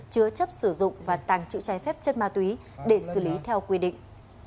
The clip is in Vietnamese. chứa chấp sử dụng và tàng trữ trái phép chất ma túy để xử lý theo quy định